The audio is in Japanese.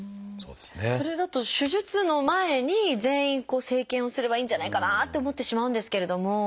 それだと手術の前に全員生検をすればいいんじゃないかなって思ってしまうんですけれども。